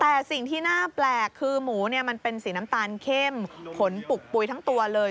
แต่สิ่งที่น่าแปลกคือหมูเนี่ยมันเป็นสีน้ำตาลเข้มขนปุกปุ๋ยทั้งตัวเลย